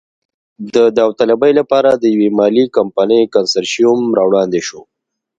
د داوطلبۍ لپاره د یوې مالي کمپنۍ کنسرشیوم را وړاندې شو.